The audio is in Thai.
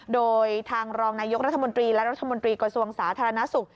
โดยทางรองนายกรัฐมนตรีและรัฐมนตรีกระทรวงสาธารณสุข